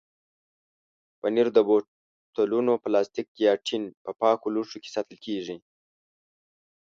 پنېر د بوتلونو، پلاستیک یا ټین په پاکو لوښو کې ساتل کېږي.